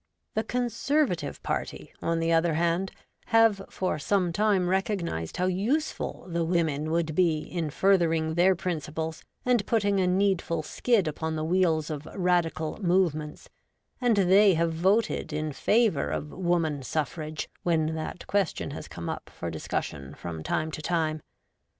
The Conservative party, on the other hand, have for some time recognised how useful the women would be in furthering their principles and putting a needful skid upon the wheels of Radical 'movements;' and they have voted in favour of Woman Suffrage when that question has come up for discussion from time to time.